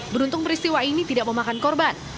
beruntung peristiwa ini tidak memakan korban